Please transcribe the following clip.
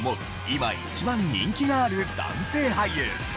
今一番人気がある男性俳優。